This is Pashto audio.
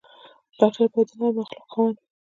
ډاکټر باید د نرمو اخلاقو خاوند وي.